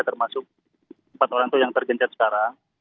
termasuk empat orang itu yang tergencet sekarang